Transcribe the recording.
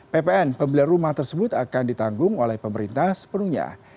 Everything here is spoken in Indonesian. ppn pembelian rumah tersebut akan ditanggung oleh pemerintah sepenuhnya